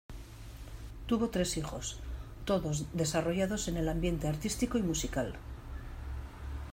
Tuvo tres hijos, todos desarrollados en el ambiente artístico y musical.